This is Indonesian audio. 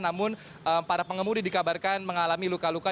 namun para pengemudi dikabarkan mengalami luka luka